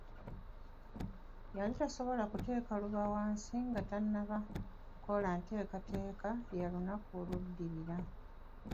Yali tasobola kuteeka luba wansi nga tannaba kukola nteekateeka ya lunaku olunaddirira.